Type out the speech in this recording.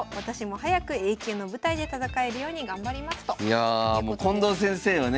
いやもう近藤先生はね